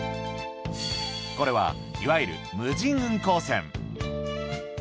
これはいわゆる無人運航船